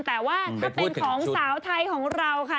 แต่ว่าถ้าเป็นของสาวไทยของเราค่ะ